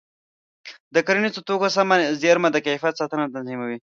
د کرنیزو توکو سمه زېرمه د کیفیت ساتنه تضمینوي.